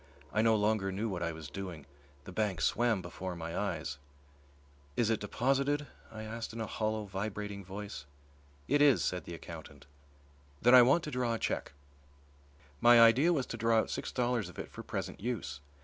I no longer knew what I was doing. The bank swam before my eyes. "Is it deposited?" I asked in a hollow, vibrating voice. "It is," said the accountant. "Then I want to draw a cheque." My idea was to draw out six dollars of it for present use.